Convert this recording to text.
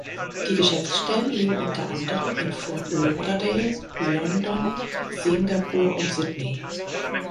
Die Geschäftsstellen liegen unter anderem in Fort Lauderdale, London, Singapur und Sydney.